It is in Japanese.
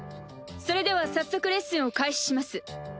それでは早速レッスンを開始します。